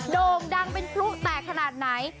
โด่งดังเป็นพลุแตกขนาดไหน